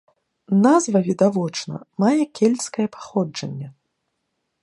Назва, відавочна, мае кельцкае паходжанне.